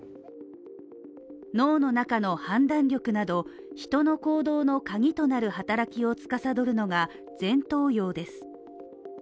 脳の中の判断力など、人の行動の鍵となる働きをつかさどるのが前頭葉です。